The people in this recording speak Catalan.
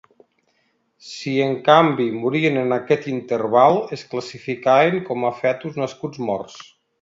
Si, en canvi, morien en aquest interval, es classificaven com a fetus nascuts morts.